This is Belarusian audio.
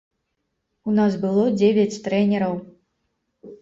У нас было дзевяць трэнераў.